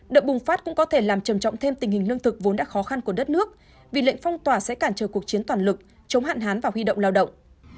đợt bùng phát cũng có thể làm trầm trọng thêm tình hình lương thực vốn đã khó khăn của đất nước vì lệnh phong tỏa sẽ cản trời cuộc chiến toàn lực chống hạn hán và huy động lao động